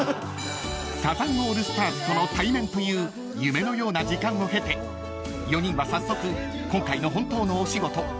［サザンオールスターズとの対面という夢のような時間を経て４人は早速今回の本当のお仕事ライブレポートを執筆］